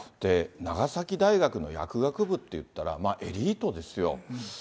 長崎大学の薬学部っていったら、エリートですよ。